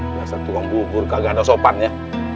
biasa tukang bubur kagak ada sopan ya